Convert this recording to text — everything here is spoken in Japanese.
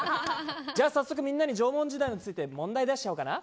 じゃあ早速みんなに縄文時代について問題出しちゃおうかな。